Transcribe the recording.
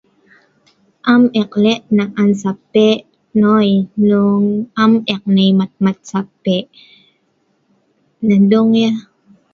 I don't know the types of sape now. No, I'm not touching anyone. That's all